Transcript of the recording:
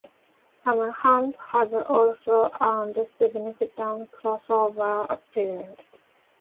Sam Hunt has also earned significant crossover appeal.